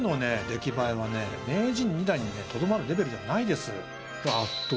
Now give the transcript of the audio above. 出来栄えはね名人２段にねとどまるレベルじゃないですよ。